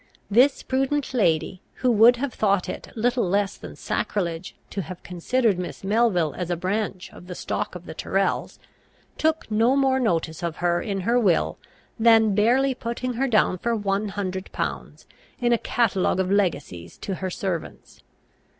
This prudent lady, who would have thought it little less than sacrilege to have considered Miss Melville as a branch of the stock of the Tyrrels, took no more notice of her in her will than barely putting her down for one hundred pounds in a catalogue of legacies to her servants.